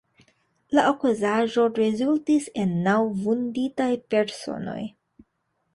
La okazaĵo rezultis en naŭ vunditaj personoj.